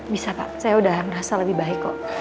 bisa pak saya udah merasa lebih baik kok